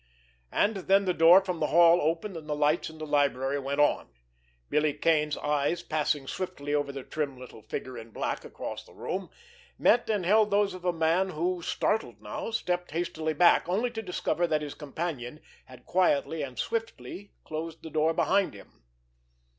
And then the door from the hall opened, and the lights in the library went on. Billy Kane's eyes, passing swiftly over the trim little figure in black across the room, met and held those of a man who, startled now, stepped hastily back, only to discover that his companion had quietly and swiftly closed the door behind them.